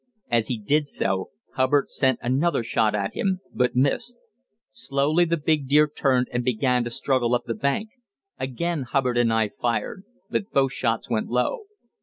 As he did so, Hubbard sent another shot at him, but missed. Slowly the big deer turned, and began to struggle up the bank. Again Hubbard and I fired, but both shots went low.